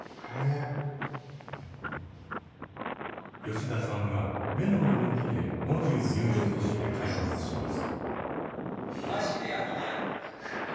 吉田さんは目の動きで文字を入力して会話をします。